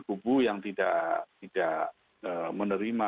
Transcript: kubu yang tidak menerima